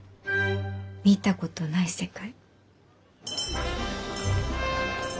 見たことない世界？